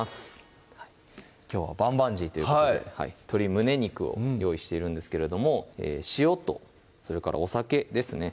きょうは「棒棒鶏」ということで鶏胸肉を用意しているんですけれども塩とそれからお酒ですね